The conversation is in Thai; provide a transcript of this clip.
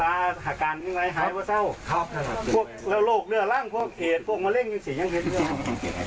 พวกโรคนื่อยล่างพวกเขตพวกมะเร็งอย่างเสียงเขตอยู่